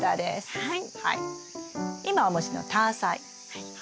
はい。